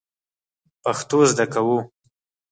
پښتو زده کوو